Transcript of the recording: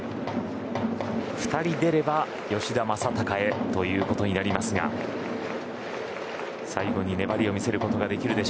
２人出れば吉田正尚へということになりますが最後に粘りを見せることができるか。